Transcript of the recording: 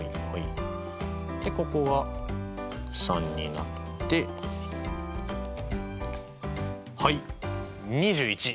でここが３になってはい２１。